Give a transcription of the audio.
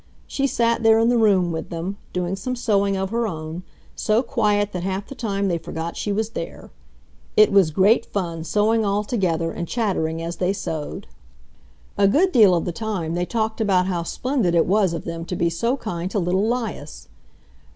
She sat there in the room with them, doing some sewing of her own, so quiet that half the time they forgot she was there. It was great fun, sewing all together and chattering as they sewed. A good deal of the time they talked about how splendid it was of them to be so kind to little 'Lias.